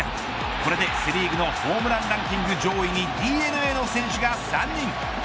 これでセ・リーグのホームランランキング上位にＤｅＮＡの選手が３人。